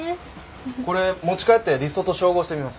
これ持ち帰ってリストと照合してみます。